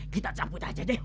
kita campur aja deh